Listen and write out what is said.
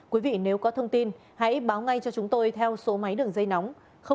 quý vị nếu có thông tin hãy báo ngay cho chúng tôi theo số máy đường dây nóng